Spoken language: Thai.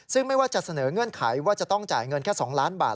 ซึ่งไม่ว่าจะเสนอเงื่อนไขว่าจะต้องจ่ายเงินแค่๒ล้านบาท